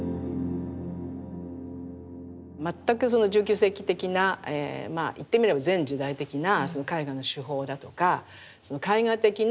全くその１９世紀的なまあ言ってみれば前時代的な絵画の手法だとか絵画的な構成